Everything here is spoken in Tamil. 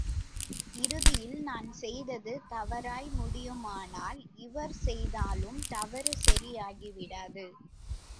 இறுதியில் நான் செய்தது தவறாய் முடியுமானால் இவர் செய்தாலும் தவறு சரி ஆய்விடாது.